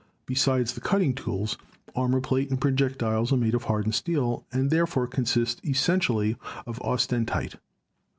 Besides the cutting tools, armor plate and projectiles are made of hardened steel and therefore con sist essentially of austenite.